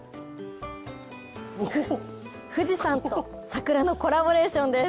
富士山と桜のコラボレーションです。